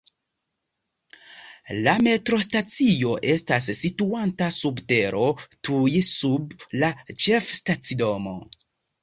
La metrostacio estas situanta sub tero, tuj sub la ĉefstacidomo.